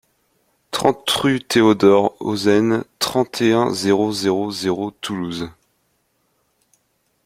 trente rue Théodore Ozenne, trente et un, zéro zéro zéro, Toulouse